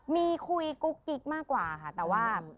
มีคุยกุ๊กกิ๊กมากกว่าค่ะแต่ว่า